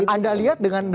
anda lihat dengan